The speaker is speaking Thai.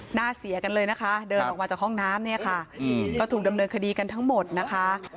หน้าเสียกันเลยนะคะเดินออกมาจากห้องน้ำเนี่ยค่ะก็ถูกดำเนินคดีกันทั้งหมดนะคะ